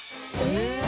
え！